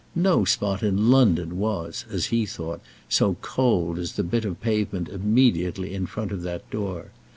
No spot in London was, as he thought, so cold as the bit of pavement immediately in front of that door.